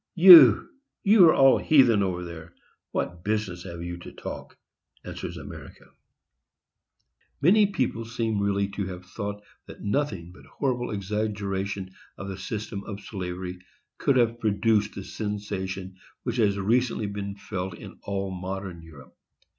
"You! you are all heathen over there,—what business have you to talk?" answers America. Many people seem really to have thought that nothing but horrible exaggerations of the system of slavery could have produced the sensation which has recently been felt in all modern Europe.